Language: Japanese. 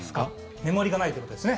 目盛りがないってことですね。